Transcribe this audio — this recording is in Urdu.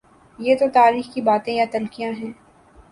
یہ تو تاریخ کی باتیں یا تلخیاں ہیں۔